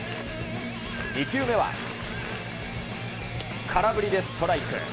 ２球目は空振りでストライク。